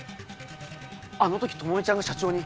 あの時朋美ちゃんが社長に。